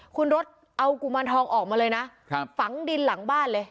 คุณรถเอากุมารทองออกมาเลยนะฝังดินหลังบ้านเลย